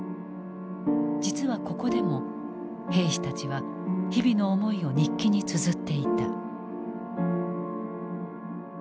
実はここでも兵士たちは日々の思いを日記に綴っていた。